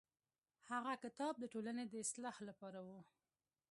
هغه کتاب د ټولنې د اصلاح لپاره و.